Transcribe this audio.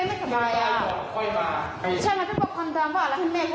เกปตายเจศกกจะพ่อทุกมีแค่นี้